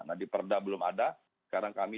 nah diperda belum ada sekarang kami